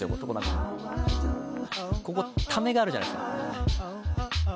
ここタメがあるじゃないですか。